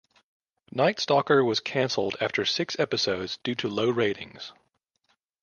"Night Stalker" was canceled after six episodes due to low ratings.